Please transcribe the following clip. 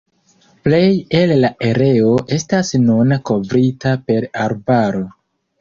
Plej el la areo estas nune kovrita per arbaro.